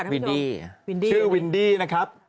ชื่อวินดี้นะครับ